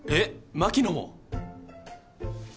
牧野も！？